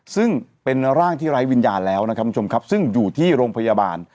ซึ่งเป็นร่างที่ไร้วิญญาณแล้วนะครับคุณผู้ชมครับซึ่งอยู่ที่โรงพยาบาล